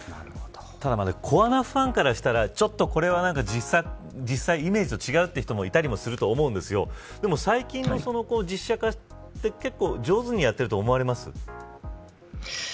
ただ、コアなファンからしたらちょっとこれは実際、イメージと違うという人もいるかもしれませんがでも、最近の実写化は上手にやっていると思われますか。